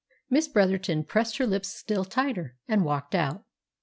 Miss Bretherton pressed her lips still tighter, and walked out.